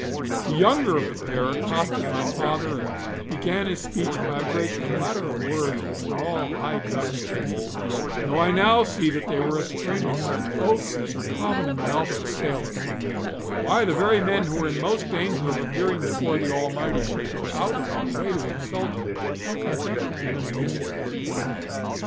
The younger of the pair accosted my father and began his speech by a great clatter of words which were all High Dutch to me, though I now see that they were a string of such oaths as are common in the mouth of a sailor; though why the very men who are in most danger of appearing before the Almighty should go out of their way to insult Him, hath ever been a mystery to me.